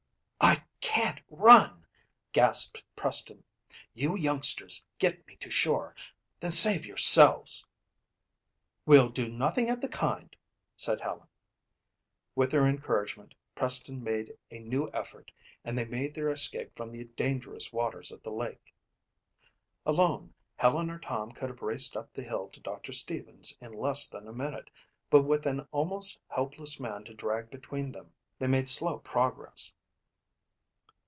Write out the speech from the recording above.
"I can't run," gasped Preston. "You youngsters get me to shore. Then save yourselves." "We'll do nothing of the kind," said Helen. With their encouragement, Preston made a new effort and they made their escape from the dangerous waters of the lake. Alone, Helen or Tom could have raced up the hill to Doctor Stevens in less than a minute but with an almost helpless man to drag between them, they made slow progress.